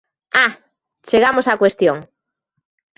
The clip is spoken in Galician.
¡Ah!, chegamos á cuestión.